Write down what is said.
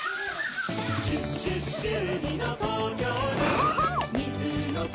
そうそう！